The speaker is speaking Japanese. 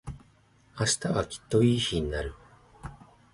明日はきっといい日になる。